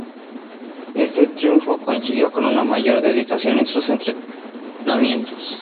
Ese triunfo coincidió con una mayor dedicación en sus entrenamientos.